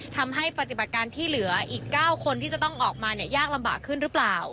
ทำให้ปฏิบัติการที่เหลืออีก๙คนที่จะต้องออกมาเนี่ยยากลำบากขึ้นหรือเปล่า